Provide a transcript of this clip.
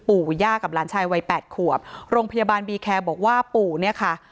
ปู่ย่ากับหลานชายวัยแปดขวบโรงพยาบาลบีแคร์บอกว่าปู่เนี่ยค่ะ